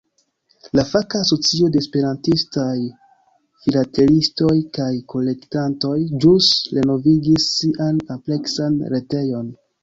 La faka asocio de esperantistaj filatelistoj kaj kolektantoj ĵus renovigis sian ampleksan retejon.